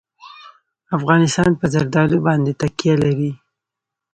افغانستان په زردالو باندې تکیه لري.